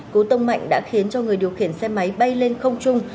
cú tông mạnh đã khiến cho người điều khiển xe máy bay lên không trung